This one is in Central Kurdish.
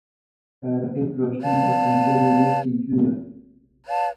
کارەکەی فرۆشتنی ئۆتۆمۆبیلی دەستی دوویە.